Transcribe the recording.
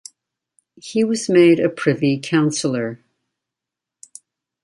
He was made a Privy Councillor.